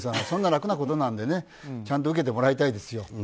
そんな楽なことなのでちゃんと受けてもらいたいですよ。